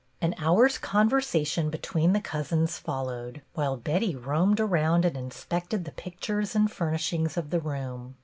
An hour's conversation between the cousins followed, while Betty roamed around and in spected the pictures and furnishings of the room.